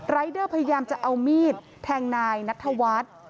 รายเดอร์พยายามจะเอามีดแทงนายนัทวัฒน์